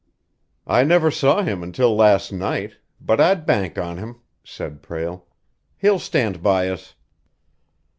"I never saw him until last night, but I'd bank on him," said Prale. "He'll stand by us!"